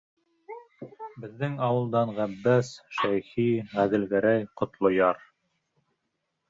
Беҙҙең ауылдан Ғәббәс, Шәйхи, Ғәҙелгәрәй, Ҡотлояр.